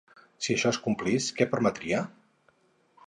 Si això es complís, què permetria?